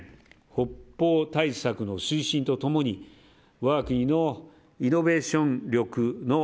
北方対策の推進とともに我が国のイノベーション力の